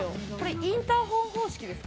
インターホン方式ですか。